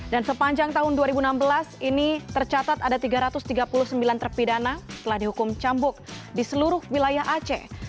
dan sepanjang tahun dua ribu enam belas ini tercatat ada tiga ratus tiga puluh sembilan terpidana telah dihukum cambuk di seluruh wilayah aceh